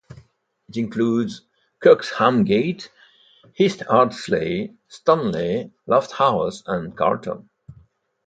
It includes Kirkhamgate, East Ardsley, Stanley, Lofthouse and Carlton.